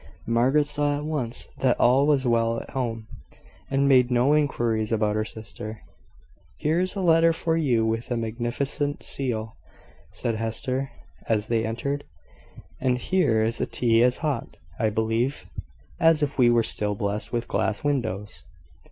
Margaret saw at once that all was well at home, and made no inquiries about her sister. "Here is a letter for you, with a magnificent seal," said Hester, as they entered. "And here is tea as hot, I believe, as if we were still blessed with glass windows."